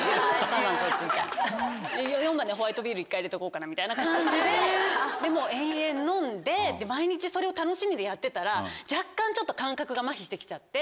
一回入れとこうかなみたいな感じで延々飲んで毎日それを楽しみでやってたら若干ちょっと感覚がまひして来ちゃって。